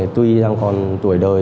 tuy đang còn tuổi đời